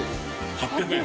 ８００円！